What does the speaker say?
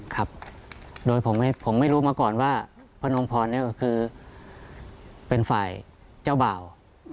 ครับโดยผมไม่รู้มาก่อนว่าพระนมพรเนี่ยก็คือเป็นฝ่ายเจ้าบ่าว